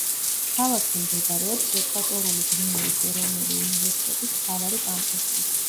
ქალაქში მდებარეობს ეკვატორული გვინეის ეროვნული უნივერსიტეტის მთავარი კამპუსი.